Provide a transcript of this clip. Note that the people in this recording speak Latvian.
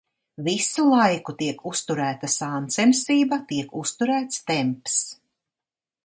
Visu laiku tiek uzturēta sāncensība, tiek uzturēts temps.